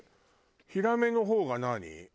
ヒラメの方が何？